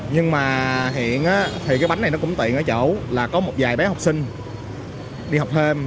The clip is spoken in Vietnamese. nhưng mà hiện thì cái bánh này nó cũng tiện ở chỗ là có một vài bé học sinh đi học thêm